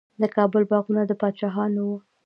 د کابل باغونه د پاچاهانو وو.